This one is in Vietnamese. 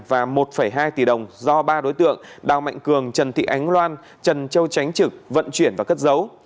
và một hai tỷ đồng do ba đối tượng đào mạnh cường trần thị ánh loan trần châu tránh trực vận chuyển và cất dấu